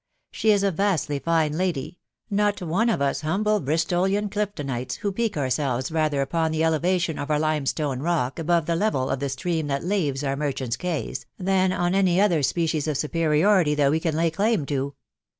She is a vastly fine lady ;.... not one of us bumble Bristolian CMftonites, who pique our selves rather upon the elevation of our lime etoue rook above the level of the stream that laves our merchants'" quays, than on any other species of superiority mat we can lay clam to.